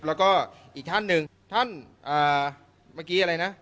แล้วก็อีกท่านหนึ่งท่านเมื่อกี้อะไรนะ